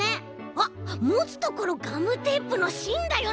あっもつところガムテープのしんだよね？